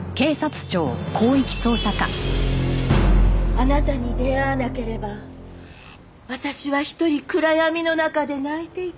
「あなたに出逢わなければ私は独り暗闇のなかで泣いていただろう」